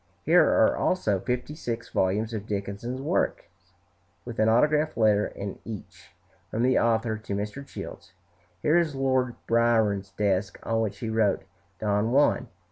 Here are also fifty six volumes of Dickens' works, with an autograph letter in each, from the author to Mr. Childs. Here is Lord Byron's desk on which he wrote "Don Juan."